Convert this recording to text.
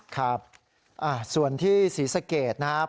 ครับส่วนที่ศรีสะเกดนะครับ